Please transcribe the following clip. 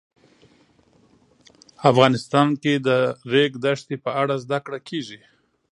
افغانستان کې د د ریګ دښتې په اړه زده کړه کېږي.